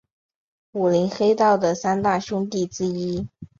武林黑道的三大凶地之一。